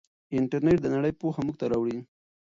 انټرنیټ د نړۍ پوهه موږ ته راوړي.